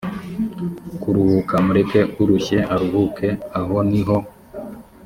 kuruhuka mureke urushye aruhuke aho ni ho